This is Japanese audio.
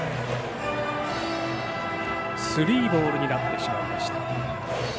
スリーボールになってしまいました。